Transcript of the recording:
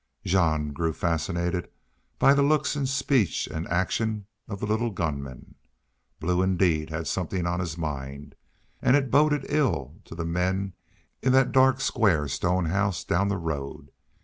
Jean grew fascinated by the looks and speech and action of the little gunman. Blue, indeed, had something on his mind. And it boded ill to the men in that dark square stone house down the road.